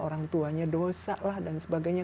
orang tuanya dosa lah dan sebagainya